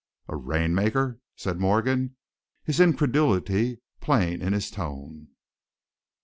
"A rainmaker?" said Morgan, his incredulity plain in his tone.